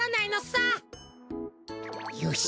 よし！